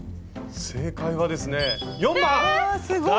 正解はですね４番！え！